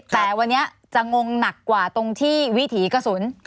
แต่วันนี้จะงงหนักกว่าตรงที่วิถีกระสุน